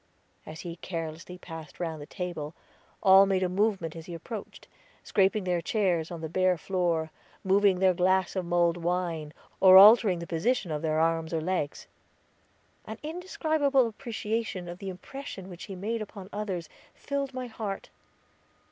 As he carelessly passed round the table all made a movement as he approached, scraping their chairs on the bare floor, moving their glass of mulled wine, or altering the position of their arms or legs. An indescribable appreciation of the impression which he made upon others filled my heart.